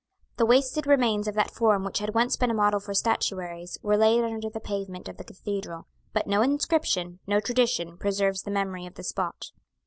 The wasted remains of that form which had once been a model for statuaries were laid under the pavement of the Cathedral; but no inscription, no tradition, preserves the memory of the spot.